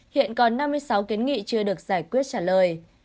hiện còn năm mươi sáu kiến nghị chưa được giải quyết trả lời